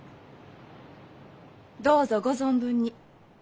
どうぞ御存分に。